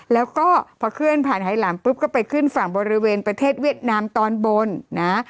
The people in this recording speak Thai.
แล้วก็พอเคลื่อนผ่านหายหลามปุ๊บก็ไปขึ้นฝั่งบริเวณประเทศเวียดนามตอนบนนะ